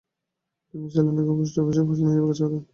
তিনি Salonika post অফিসের postman হিসেবে কাজ করেন।